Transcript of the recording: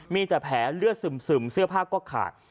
มีแต่แผลเลือดซึมเสื้อผ้าก็ขาด